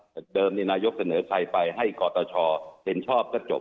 แต่เดิมนี่นายกเสนอใครไปให้กตชเห็นชอบก็จบ